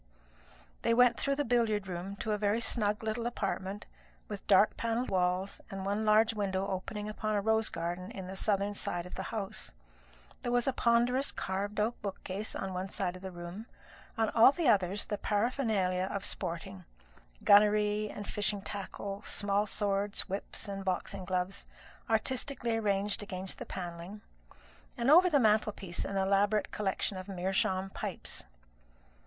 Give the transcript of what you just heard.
They went through the billiard room to a very snug little apartment, with dark panelled walls and one large window opening upon a rose garden on the southern side of the house. There was a ponderous carved oak bookcase on one side of the room; on all the others the paraphernalia of sporting gunnery and fishing tackle, small swords, whips, and boxing gloves artistically arranged against the panelling; and over the mantelpiece an elaborate collection of meerschaum pipes.